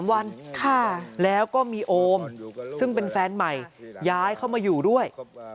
๓วันแล้วก็มีโอมซึ่งเป็นแฟนใหม่ย้ายเข้ามาอยู่ด้วย